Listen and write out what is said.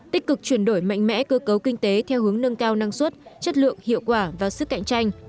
tích cực chuyển đổi mạnh mẽ cơ cấu kinh tế theo hướng nâng cao năng suất chất lượng hiệu quả và sức cạnh tranh